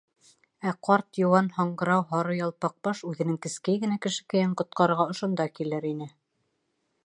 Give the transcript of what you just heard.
Ә ҡарт, йыуан, һаңғырау, һары Ялпаҡбаш үҙенең кескәй генә кешекәйен ҡотҡарырға ошонда килер ине...